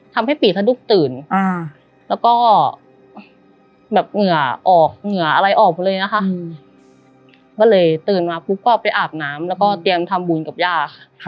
ทำให้ปีสะดุกตื่นแล้วก็แบบเหงื่อออกเหงื่ออะไรออกมาเลยนะคะก็เลยตื่นมาปุ๊บก็ไปอาบน้ำแล้วก็เตรียมทำบุญกับย่าค่ะ